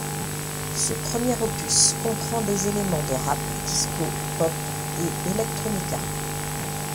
Ce premier opus comprend des éléments de rap, disco, pop et electronica.